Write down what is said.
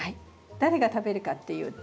誰が食べるかっていうと。